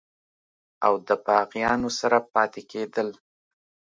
او دَباغيانو سره پاتې کيدل